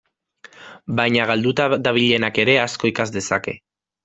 Baina galduta dabilenak ere asko ikas dezake.